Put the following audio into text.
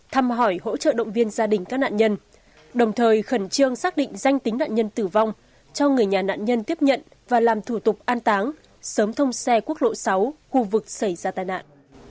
thăm hỏi hỗ trợ động viên gia đình các nạn nhân đồng thời khẩn trương xác định danh tính nạn nhân tử vong cho người nhà nạn nhân tiếp nhận và làm thủ tục an táng sớm thông xe quốc lộ sáu khu vực xảy ra tai nạn